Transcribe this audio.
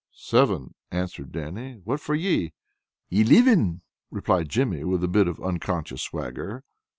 "Seven," answered Dannie. "What for ye?" "Elivin," replied Jimmy, with a bit of unconscious swagger.